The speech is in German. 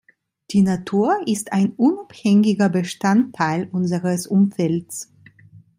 Die Natur ist ein unabhängiger Bestandteil unseres Umfelds.